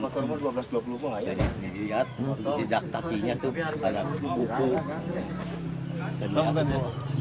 jadi dilihat jejak takinya tuh ada buku